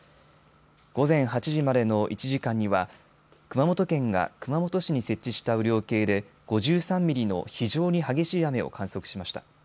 午前８時までの１時間には熊本県が熊本市に設置した雨量計で５３ミリの非常に激しい雨を観測しました。